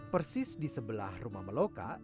persis di sebelah rumah meloka